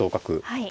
はい。